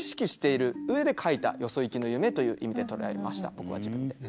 僕は自分で。